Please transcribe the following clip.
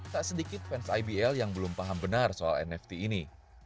tak sedikit fans ibl yang belum paham benar soal nft ini